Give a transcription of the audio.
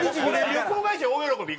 旅行会社大喜び